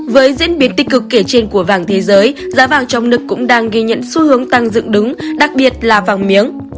với diễn biến tích cực kể trên của vàng thế giới giá vàng trong nước cũng đang ghi nhận xu hướng tăng dựng đứng đặc biệt là vàng miếng